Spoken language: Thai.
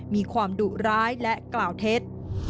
มีความดุร้ายและกล่าวเท็จ